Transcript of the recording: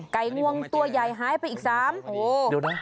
ไก่งวงตัวใหญ่หายไปอีก๓โอ้โห